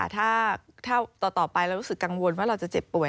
ถ้าต่อไปเรารู้สึกกังวลว่าเราจะเจ็บป่วย